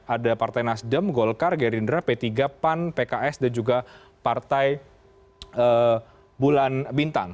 ada partai nasdem golkar gerindra p tiga pan pks dan juga partai bulan bintang